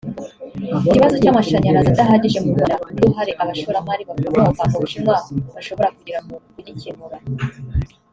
Ikibazo cy’amashanyarazi adahagije mu Rwanda n’uruhare abashoramari bakomoka mu Bushinwa bashobora kugira mu kugikemura